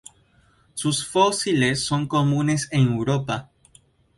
Sus fósiles son comunes en Europa.